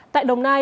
tại đồng nai